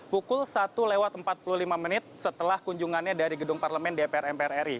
pukul satu lewat empat puluh lima menit setelah kunjungannya dari gedung parlemen dpr mpr ri